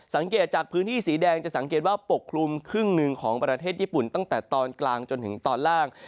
สังเกตจากพื้นที่สีแดงจะสังเกตว่าปกคลุมครึ่งหนึ่งของประเทศญี่ปุ่นตั้งแต่ตอนกลางจนถึงตอนล่าง